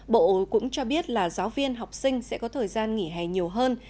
bộ cũng cho biết là giáo viên học sinh sẽ có thời gian nghỉ hè nhiều hơn